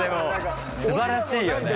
すばらしいよね。